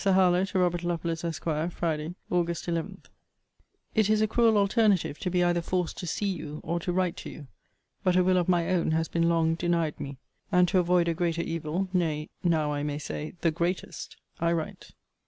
HARLOWE, TO ROBERT LOVELACE, ESQ. FRIDAY, AUG. 11. It is a cruel alternative to be either forced to see you, or to write to you. But a will of my own has been long denied me; and to avoid a greater evil, nay, now I may say, the greatest, I write.